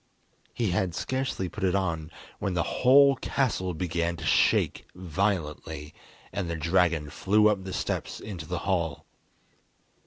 He had scarcely put it on, when the whole castle began to shake violently, and the dragon flew up the steps into the hall.